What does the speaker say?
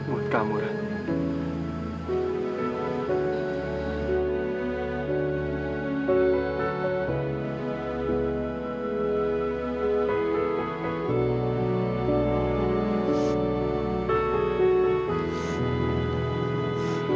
aku gak akan pernah lelah nungguin kamu